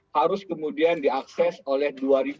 harus kemudian diakses oleh dua ribu tujuh puluh dua